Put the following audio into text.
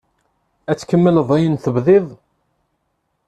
Ad tkemmleḍ ayen tebdiḍ?